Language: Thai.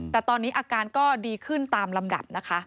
แต่ตอนนี้อาการก็ดีขึ้นตามลำดับนะคะ